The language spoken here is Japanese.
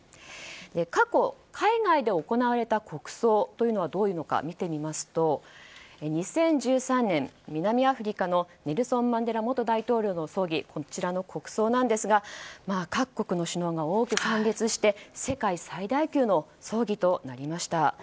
過去海外で行われた国葬がどういうものか見てみますと２０１３年、南アフリカのネルソン・マンデラ元大統領の国葬ですが各国の首脳が多く参列して世界最大級の葬儀となりました。